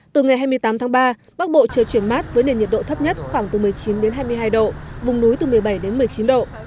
từ ngày hai mươi tám tháng ba bắc bộ trời chuyển mát với nền nhiệt độ thấp nhất khoảng từ một mươi chín đến hai mươi hai độ vùng núi từ một mươi bảy đến một mươi chín độ